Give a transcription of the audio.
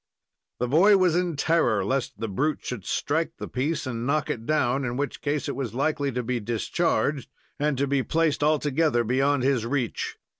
The boy was in terror lest the brute should strike the piece and knock it down, in which case it was likely to be discharged and to be placed altogether beyond his reach.